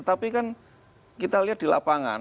tapi kan kita lihat di lapangan